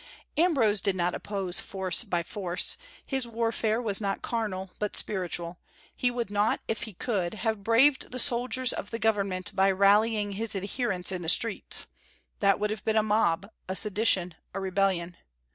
Ambrose did not oppose force by force. His warfare was not carnal, but spiritual. He would not, if he could, have braved the soldiers of the Government by rallying his adherents in the streets. That would have been a mob, a sedition, a rebellion.